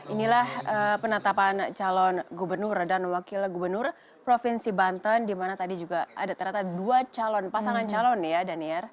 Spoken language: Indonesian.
inilah penetapan calon gubernur dan wakil gubernur provinsi banten di mana tadi juga ada ternyata dua calon pasangan calon ya danier